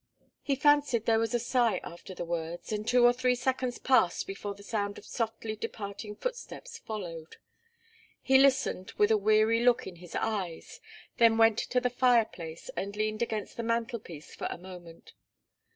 He fancied there was a sigh after the words, and two or three seconds passed before the sound of softly departing footsteps followed. He listened, with a weary look in his eyes, then went to the fireplace and leaned against the mantelpiece for a moment.